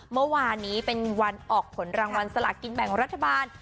เมื่อวานนี้เป็นวันออกผลรางวัลสลากินแบ่งรัฐบาล